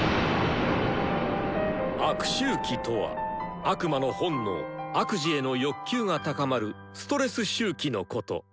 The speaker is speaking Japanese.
「悪周期」とは悪魔の本能「悪事への欲求」が高まるストレス周期のこと。